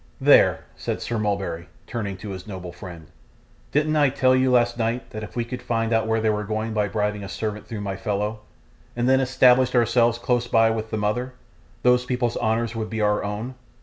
'There,' said Sir Mulberry, turning to his noble friend. 'Didn't I tell you last night that if we could find where they were going by bribing a servant through my fellow, and then established ourselves close by with the mother, these people's honour would be our own?